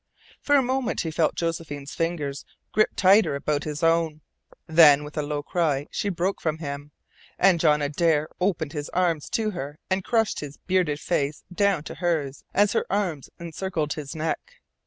For a moment he felt Josephine's fingers grip tighter about his own; then with a low cry she broke from him, and John Adare opened his arms to her and crushed his bearded face down to hers as her arms encircled his neck.